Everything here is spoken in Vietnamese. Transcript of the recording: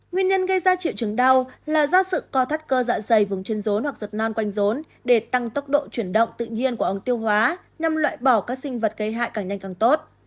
nguyên nhân gây ra triệu chứng đau là do sự co thắt cơ dạ dày vùng trên rốn hoặc giật non quanh rốn để tăng tốc độ chuyển động tự nhiên của ống tiêu hóa nhằm loại bỏ các sinh vật gây hại càng nhanh càng tốt